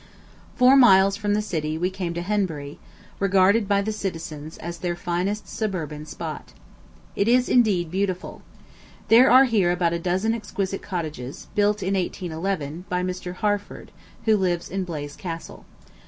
Four miles from the city we came to Henbury, regarded by the citizens as their finest suburban spot. It is indeed beautiful. There are here about a dozen exquisite cottages, built in 1811, by Mr. Harford, who lives in Blaize Castle.